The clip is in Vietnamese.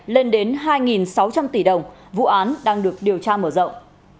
lên đến hai sáu trăm linh tỷ đồng vụ án đang được điều tra mở rộng